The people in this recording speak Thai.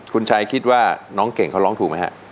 คุณชัยคิดว่าน้องเก่งเขาร้องถูกไหมฮะ